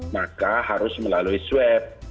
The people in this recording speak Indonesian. maka harus melalui swep